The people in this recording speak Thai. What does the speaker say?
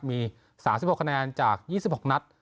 มี๓๖คะแนนจาก๒๖นัด